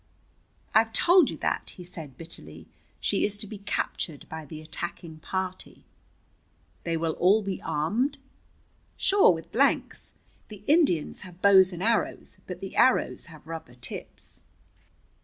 "I've told you that," he said bitterly. "She is to be captured by the attacking party." "They will all be armed?" "Sure, with blanks. The Indians have guns and arrows, but the arrows have rubber tips."